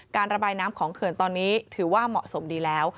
ระบายน้ำของเขื่อนตอนนี้ถือว่าเหมาะสมดีแล้ว